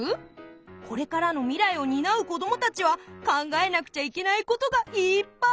これからの未来を担う子供たちは考えなくちゃいけないことがいっぱい！